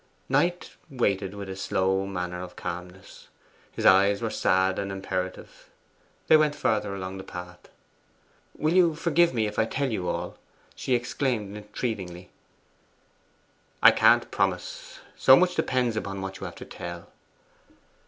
Knight waited with a slow manner of calmness. His eyes were sad and imperative. They went farther along the path. 'Will you forgive me if I tell you all?' she exclaimed entreatingly. 'I can't promise; so much depends upon what you have to tell.